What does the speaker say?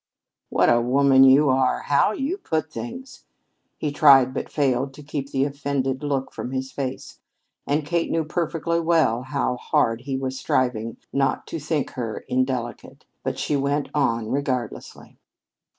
"What a woman you are! How you put things!" He tried but failed to keep the offended look from his face, and Kate knew perfectly well how hard he was striving not to think her indelicate. But she went on regardlessly.